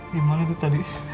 gimana tuh tadi